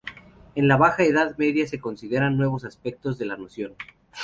En la Baja Edad Media se consideran nuevos aspectos de la noción.